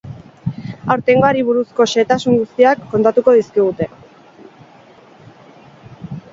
Aurtengoari buruzko xehetasun guztiak kontatuko dizkigute.